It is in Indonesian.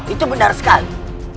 itu benar sekali